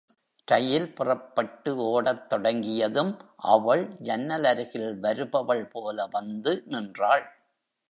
ரயில் புறப்பட்டு ஓடத் தொடங்கியதும், அவள் ஜன்னல் அருகில் வருபவள் போல வந்து நின்றாள்.